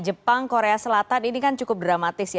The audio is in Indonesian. jepang korea selatan ini kan cukup dramatis ya